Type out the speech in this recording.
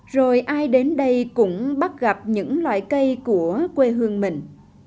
rồi ai đến đây cũng bắt gặp những loại cây của quê hương mình